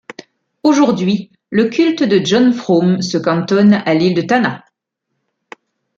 Aujourd'hui, le culte de John Frum se cantonne à l'île de Tanna.